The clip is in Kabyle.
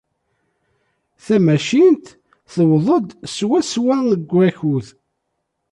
Tamacint tuweḍ-d swaswa deg wakud.